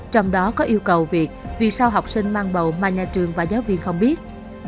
trong đó có yêu cầu việc vì sao học sinh mang bầu mà nhà trường và giáo viên không biết